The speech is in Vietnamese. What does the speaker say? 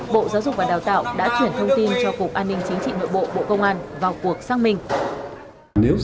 bộ giáo dục và đào tạo đã chuyển thông tin cho cục an ninh chính trị nội bộ bộ công an vào cuộc xác minh